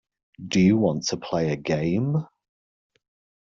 Do you want to play a game.